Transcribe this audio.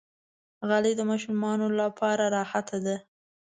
غالۍ د ماشومانو لپاره راحته ده.